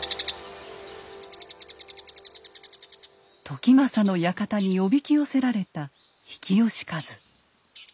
時政の館におびき寄せられた比企能員。